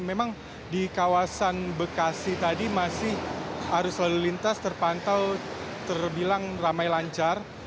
memang di kawasan bekasi tadi masih arus lalu lintas terpantau terbilang ramai lancar